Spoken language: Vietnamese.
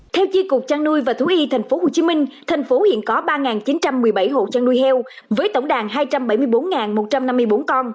theo chiên cục trang nuôi và thú y tp hcm thành phố hiện có ba chín trăm một mươi bảy hộ chăn nuôi heo với tổng đàn hai trăm bảy mươi bốn một trăm năm mươi bốn con